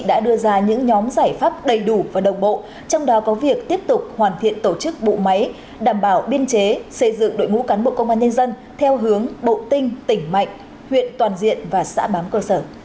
đã đưa ra những nhóm giải pháp đầy đủ và đồng bộ trong đó có việc tiếp tục hoàn thiện tổ chức bộ máy đảm bảo biên chế xây dựng đội ngũ cán bộ công an nhân dân theo hướng bộ tinh tỉnh mạnh huyện toàn diện và xã bám cơ sở